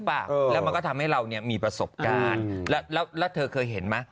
ป่ะแล้วมันก็ทำให้เราเนี่ยมีประสบการณ์แล้วแล้วเธอเคยเห็นไหม